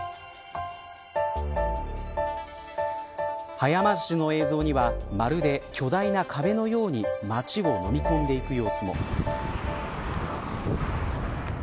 早回しの映像にはまるで巨大な壁のように街をのみ込んでいく様子も。